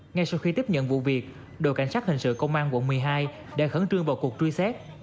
ngay sau khi tiếp nhận vụ việc đội cảnh sát hình sự công an quận một mươi hai đã khẩn trương vào cuộc truy xét